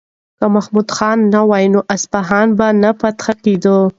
که محمود خان نه وای نو اصفهان به نه فتح کېدو.